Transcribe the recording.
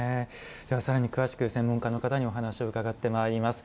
さらに詳しく専門家の方にお話を伺ってまいります。